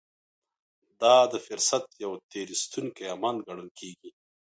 دا د فرصت يو تېر ايستونکی عمل ګڼل کېږي.